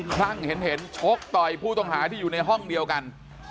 คลั่งเห็นชกต่อยผู้ต้องหาที่อยู่ในห้องเดียวกัน